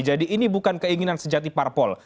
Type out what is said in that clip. jadi ini bukan keinginan sejati parpol